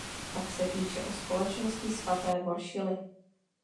Pak se píše o Společnosti svaté Voršily.